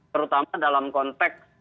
terutama dalam konteks